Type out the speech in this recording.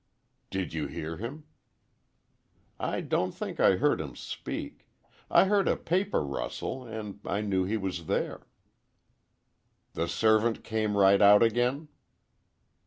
"Did you hear him?" "I don't think I heard him speak. I heard a paper rustle, and I knew he was there." "The servant came right out again?"